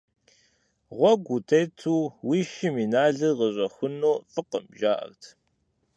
Гъуэгу утету уи шым и налыр къыщӀэхуну фӀыкъым, жаӀэрт.